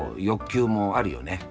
欲求もあるよね。